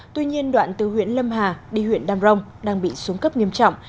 tuy nhiên đoạn từ huyện lâm hà đi huyện đam rồng đang bị xuống cấp nghiêm trọng